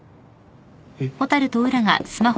えっ？